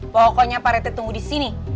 pokoknya pak rete tunggu di sini